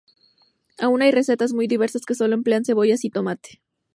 Aunque hay recetas muy diversas que solo emplean cebollas y tomate.